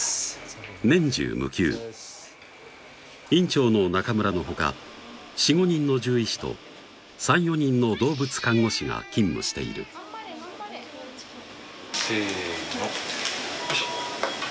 年中無休院長の中村の他４５人の獣医師と３４人の動物看護師が勤務しているせのよいしょ